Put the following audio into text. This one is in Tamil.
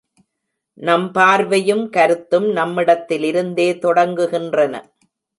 நம் பார்வையும் கருத்தும் நம்மிடத்திலிருந்தே தொடங்குகின்றன.